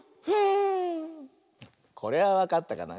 これはわかったかな？